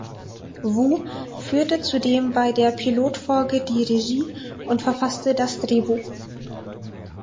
Wu führte zudem bei der Pilotfolge die Regie und verfasste das Drehbuch.